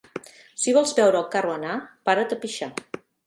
Si vols veure el carro anar, para't a pixar.